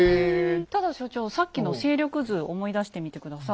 ただ所長さっきの勢力図思い出してみて下さい。